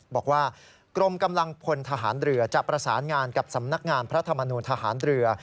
บอกว่ากรมกำลังพลทหารเรือจะประสานงานกับสำนักงานพระธรรมนูลทหารเรือ